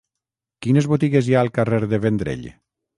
Quines botigues hi ha al carrer de Vendrell?